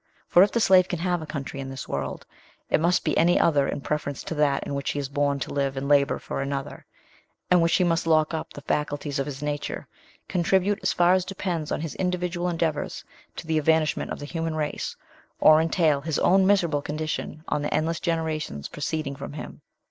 For if the slave can have a country in this world, it must be any other in preference to that in which he is born to live and labour for another; in which he must lock up the faculties of his nature, contribute as far as depends on his individual endeavours to the evanishment of the human race, or entail his own miserable condition on the endless generations proceeding from him.